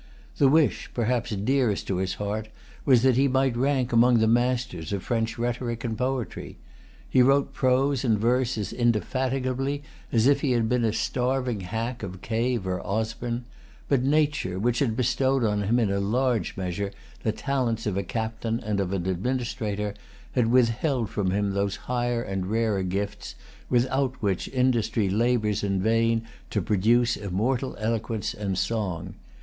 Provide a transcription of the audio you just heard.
The wish, perhaps, dearest to his heart was that he might rank among the masters of French rhetoric and poetry. He wrote prose and verse as indefatigably as if he had been a starving hack of Cave or Osborn; but Nature, which had bestowed on him, in a large measure, the talents of a captain and of an administrator, had withheld from him those higher and rarer gifts, without which industry labors in vain to produce immortal eloquence and song.